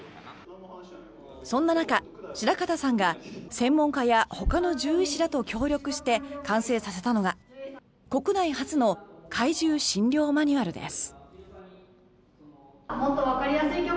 そんな中、白形さんが専門家やほかの獣医師らと協力して完成させたのが、国内初の海獣診療マニュアルです。